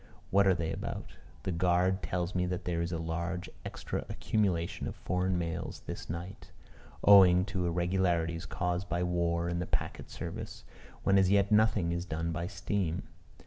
What are they about? The guard tells me that there is a large extra accumulation of foreign mails this night, owing to irregularities caused by war and by the packet service, when as yet nothing is done by steam.